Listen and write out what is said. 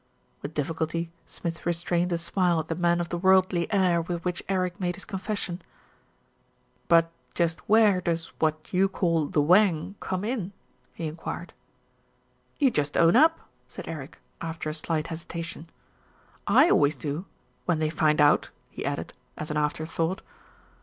With difficulty Smith restrained a smile at the man of the worldly air with which Eric made his confes sion. "But just where does what you call 'the wang' come in?" he enquired. "You just own up," said Eric, after a slight hesita tion. '7 always do when they find out," he added, as an after thought.